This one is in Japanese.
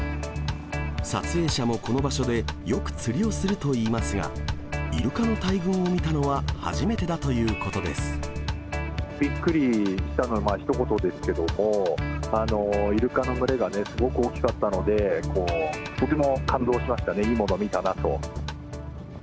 撮影者もこの場所でよく釣りをするといいますが、イルカの大群をびっくりしたのひと言ですけれども、イルカの群れがね、すごく大きかったので、とても感動しましたね、いいもの見たなと。